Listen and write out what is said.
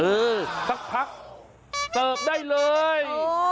อือซักพักสเติบได้เลย